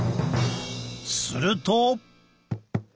すると。